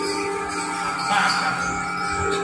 和肉敆